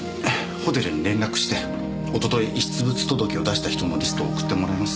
ホテルに連絡しておととい遺失物届を出した人のリストを送ってもらいます。